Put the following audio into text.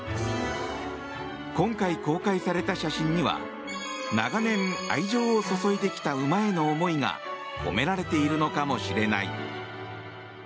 今回、公開された写真には長年愛情を注いできた馬への思いが込められているのかもしれない。